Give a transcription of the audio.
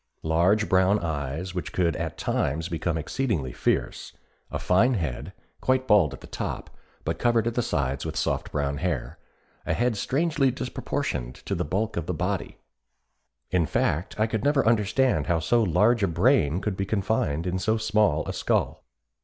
Large brown eyes which could at times become exceedingly fierce, a fine head, quite bald on the top but covered at the sides with soft brown hair, a head strangely disproportioned to the bulk of the body; in fact I could never understand how so large a brain could be confined in so small a skull.